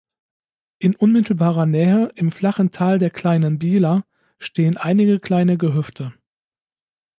In unmittelbarer Nähe, im flachen Tal der Kleinen Biela, stehen einige kleine Gehöfte.